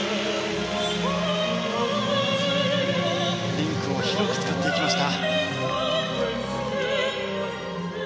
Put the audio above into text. リンクを広く使っていきました。